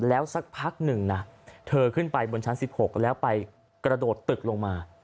แล้วสักพักหนึ่งนะเธอขึ้นไปบนชั้น๑๖แล้วไปกระโดดตึกลงมา